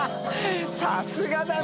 さすがだな！